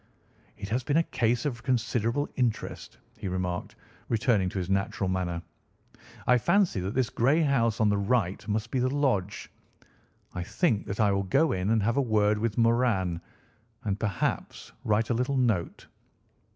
"It has been a case of considerable interest," he remarked, returning to his natural manner. "I fancy that this grey house on the right must be the lodge. I think that I will go in and have a word with Moran, and perhaps write a little note.